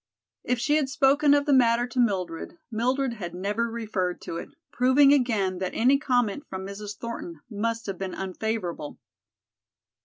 If she had spoken of the matter to Mildred, Mildred had never referred to it, proving again that any comment from Mrs. Thornton must have been unfavorable.